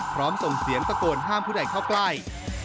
ส่งเสียงตะโกนห้ามผู้ใดเข้าใกล้